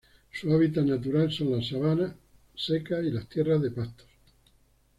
Su hábitat natural son las sabanas secas y las tierras de pastos.